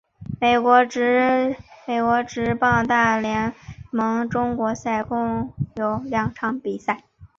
美国职棒大联盟中国赛共有两场比赛。